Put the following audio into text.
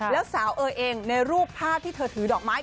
แล้วสาวเอ๋ยเองในรูปภาพที่เธอถือดอกไม้